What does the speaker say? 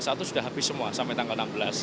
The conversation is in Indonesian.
satu sudah habis semua sampai tanggal enam belas